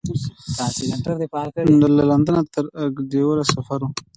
له لندنه تر اګادیره سفر و.